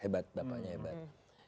hebat bapaknya hebat